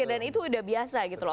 dan itu sudah biasa gitu loh